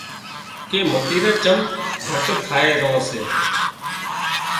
ڪي متريران چم گھٽ ٿائي ران سي